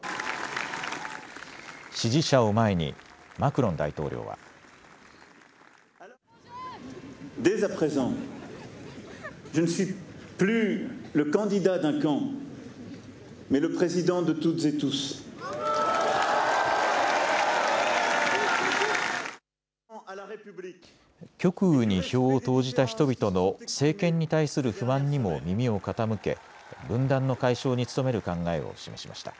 支持者を前にマクロン大統領は。極右に票を投じた人々の政権に対する不満にも耳を傾け分断の解消に努める考えを示しました。